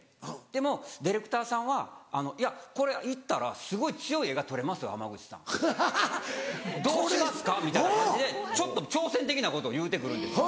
でもディレクターさんは「いやこれ行ったらすごい強い画が撮れますよ濱口さん。どうしますか？」みたいな感じでちょっと挑戦的なことを言うて来るんです。